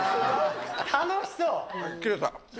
楽しそう。